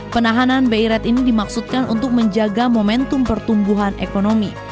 penahanan bi rate ini dimaksudkan untuk menjaga momentum pertumbuhan ekonomi